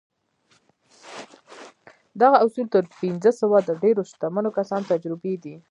دغه اصول تر پينځه سوه د ډېرو شتمنو کسانو تجربې دي.